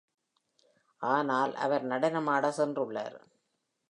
ஆனால் அவர் நடனமாட சென்றுள்ளார்.